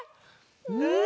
うん！